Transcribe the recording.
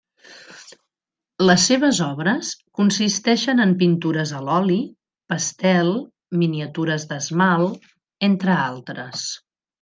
Les seves obres consisteixen en pintures a l'oli, pastel, miniatures d'esmalt, entre altres.